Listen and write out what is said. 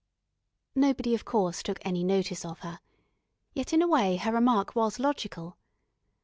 Nobody of course took any notice of her, yet in a way her remark was logical.